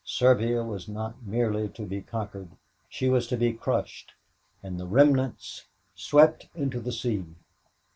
Serbia was not merely to be conquered; she was to be crushed, and the remnants swept into the sea.